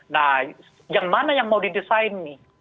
nah yang mana yang mau didesain nih